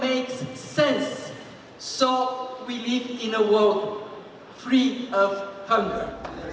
jadi kita hidup di dunia tanpa kegunaan